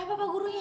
siapa pak gurunya